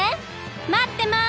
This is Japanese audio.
まってます！